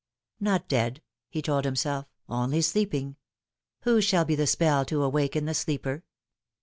"Not dead," he told himself, "only sleeping. Whose shall be the spell to awaken the sleeper